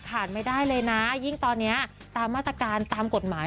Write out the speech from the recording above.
ขาดไม่ได้เลยนะยิ่งตอนนี้ตามมาตรการตามกฎหมาย